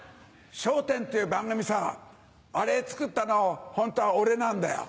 『笑点』っていう番組さアレ作ったのホントはオレなんだよ。